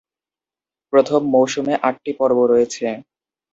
প্রথম মৌসুমে আটটি পর্ব রয়েছে।